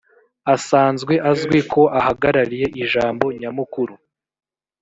asanzwe azwi ko ahagarariye ijambo nyamukuru